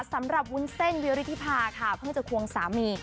สำหรับวุ้นเซ่นวิวริธิพาค่ะเพิ่งจะควงสามี